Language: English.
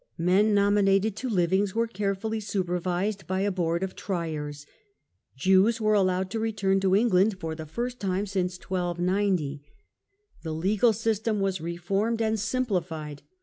Men nominated to livings were carefully supervised by a board of " Triers". Jews were allowed to return to England for the first time since 1290. The legal system was reformed and simpli fied.